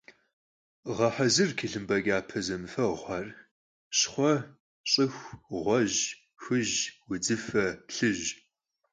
Ğehezır txılhımp'e ç'ape zemıfeğuxer: şxhue, ş'ıxu, ğuej, xuj, vudzıfe, plhıj.